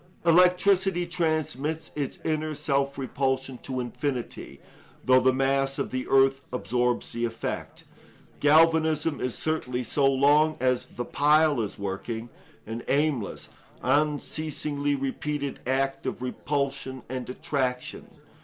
Electricity transmits its inner self repulsion to infinity, though the mass of the earth absorbs the effect. Galvanism is certainly, so long as the pile is working, an aimless, unceasingly repeated act of repulsion and attraction.